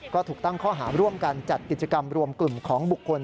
ก็ถูกตั้งข้อหาร่วมกันจัดกิจกรรมรวมกลุ่มของบุคคล